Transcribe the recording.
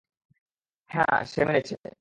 হা, সে মেনেছে।